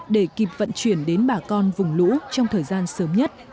để kịp vận chuyển đến bà con vùng lũ trong thời gian sớm nhất